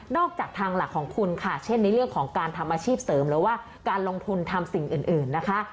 จากทางหลักของคุณค่ะเช่นในเรื่องของการทำอาชีพเสริมหรือว่าการลงทุนทำสิ่งอื่นนะคะ